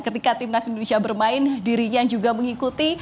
ketika timnas indonesia bermain dirinya juga mengikuti